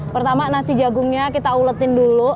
pertama nasi jagungnya kita uletin dulu